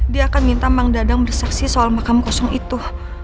dia akan minta mang dadang bersaksi soal makam kosong itu